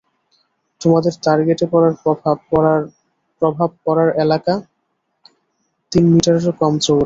তোমাদের টার্গেটে প্রভাব পড়ার এলাকা তিন মিটারেরও কম চওড়া।